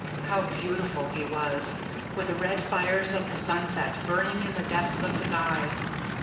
How beautiful he was! with the red fires of the sunset burning in the depths of his eyes.